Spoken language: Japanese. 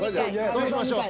そうしましょう。